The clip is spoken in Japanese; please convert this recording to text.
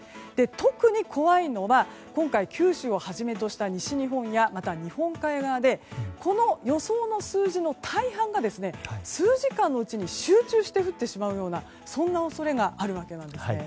特に怖いのが今回九州をはじめとした西日本やまた、日本海側でこの予想の数字の大半が数時間のうちに集中して降ってしまう恐れがあります。